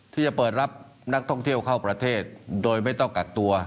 ที่จะเปิดรับนักท่องเที่ยวเข้าประเทศโดยไม่ต้องกักตัว